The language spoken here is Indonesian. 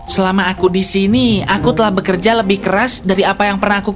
selama aku di sini aku telah bekerja lebih keras dari apa yang pernah aku lakukan